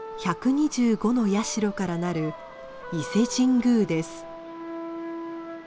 １２５の社から成る伊勢神宮です。